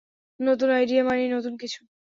নতুন আইডিয়া মানেই নতুন কিছু!